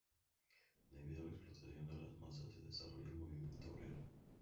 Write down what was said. Debido a la explotación de las masas se desarrolla el movimiento obrero.